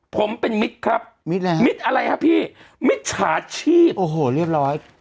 ผมเป็นมิตรครับมิตรแล้วมิตรอะไรครับพี่มิจฉาชีพโอ้โหเรียบร้อย